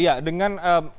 ya dengan ee